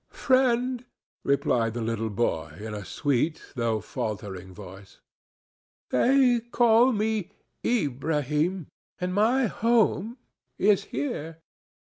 "Friend," replied the little boy, in a sweet though faltering voice, "they call me Ilbrahim, and my home is here."